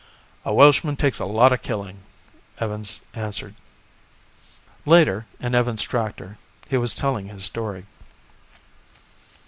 "A Welshman takes a lot of killing," Evans answered. Later, in Evans' tractor, he was telling his story